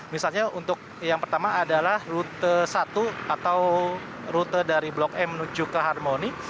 misalnya untuk yang pertama adalah rute satu atau rute dari blok m menuju ke harmoni